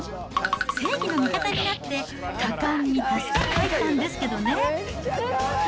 正義の味方になって果敢に助けに入ったんですけどね。